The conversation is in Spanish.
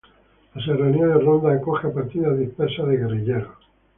La serranía de Ronda acoge a partidas dispersas de guerrilleros.